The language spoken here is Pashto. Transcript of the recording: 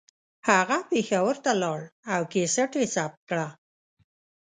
هغه پېښور ته لاړ او کیسټ یې ثبت کړه